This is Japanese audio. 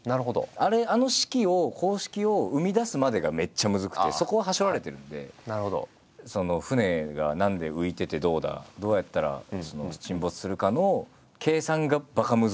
あの式を公式を生み出すまでがめっちゃむずくてそこははしょられてるんで船が何で浮いててどうだどうやったら沈没するかの計算がばかむずいんで。